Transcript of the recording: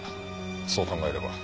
そう考えれば。